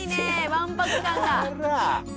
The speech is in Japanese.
わんぱく感が。